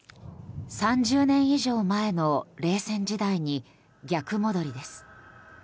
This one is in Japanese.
３０年以上前の冷戦時代に逆戻りです。